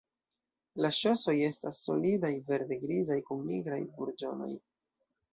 La ŝosoj estas solidaj, verde-grizaj, kun nigraj burĝonoj.